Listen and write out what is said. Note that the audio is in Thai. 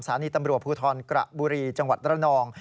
สถานีตำรวจภูทรกระบุรีจังหวัดระนอง